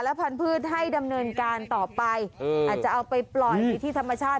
พันธุ์ให้ดำเนินการต่อไปอาจจะเอาไปปล่อยในที่ธรรมชาติ